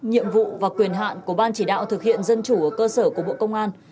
nhiệm vụ và quyền hạn của ban chỉ đạo thực hiện dân chủ ở cơ sở của bộ công an